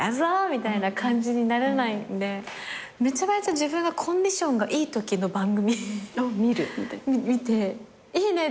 みたいな感じになれないんでめちゃめちゃ自分がコンディションがいいときの番組見ていいね！